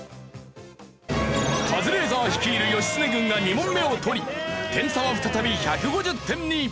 カズレーザー率いる義経軍が２問目を取り点差は再び１５０点に。